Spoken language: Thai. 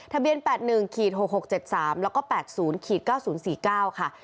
ทะเบียน๘๑๖๖๗๓แล้วก็๘๐๙๐๔๙ค่ะ